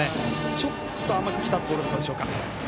ちょっと甘くきたボールでしたでしょうか。